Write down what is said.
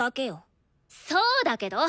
そうだけど！